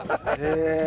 へえ。